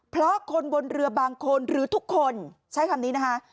เพราะคนบนเรือบางคนหรือทุกคนใช้คำนี้นะคะ